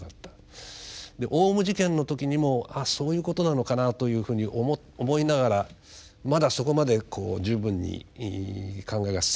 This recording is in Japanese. オウム事件の時にも「ああそういうことなのかな」というふうに思いながらまだそこまでこう十分に考えが進まなかった。